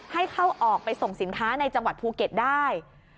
ให้เข้าออกไปส่งสินค้าในจังหวัดภูเก็ตได้